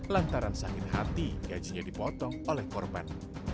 lantaran sakit hati gajinya dipotong oleh korban